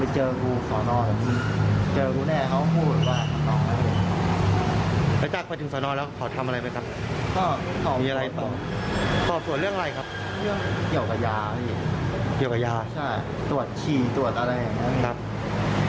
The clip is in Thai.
ใช่ตรวจฉีตรวจอะไรอย่างนั้น